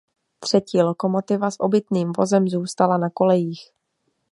Třetí lokomotiva s obytným vozem zůstala na kolejích.